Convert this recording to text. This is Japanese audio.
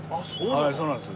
はいそうなんです。